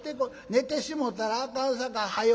寝てしもたらあかんさかい早よ